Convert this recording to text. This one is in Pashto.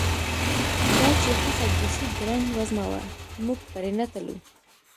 دا چې هغه بیخي ګړنګ وزمه وه، موږ پرې نه تلو.